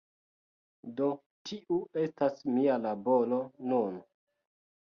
Do tiu estas mia laboro nun.